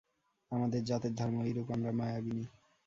আমাদের জাতের ধর্ম এইরূপ–আমরা মায়াবিনী।